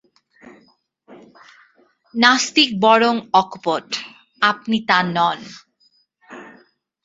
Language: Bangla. নাস্তিক বরং অকপট, আপনি তা নন।